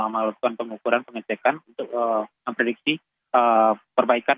melakukan pengukuran pengecekan untuk memprediksi perbaikan